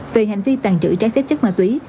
về hành vi tàng trữ trái phép chất ma túy